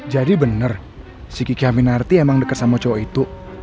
jadi bener si kiki aminatih emang deket sama cowok itu